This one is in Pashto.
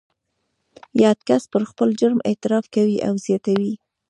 یاد کس پر خپل جرم اعتراف کوي او زیاتوي